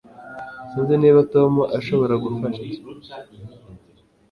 Sinzi niba Tom ashobora gufasha